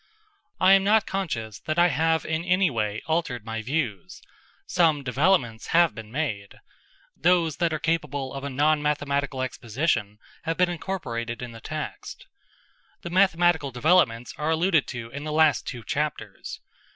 I am not conscious that I have in any way altered my views. Some developments have been made. Those that are capable of a non mathematical exposition have been incorporated in the text. The mathematical developments are alluded to in the last two chapters.